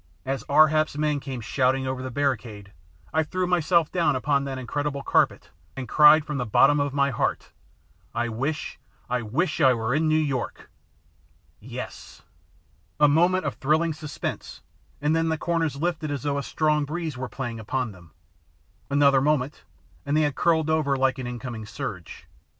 As Ar hap's men came shouting over the barricade I threw myself down upon that incredible carpet and cried from the bottom of my heart, "I wish I wish I were in New York!" Yes! A moment of thrilling suspense and then the corners lifted as though a strong breeze were playing upon them. Another moment and they had curled over like an incoming surge.